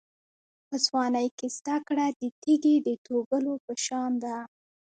په ځوانۍ کې زده کړه د تېږې د توږلو په شان ده.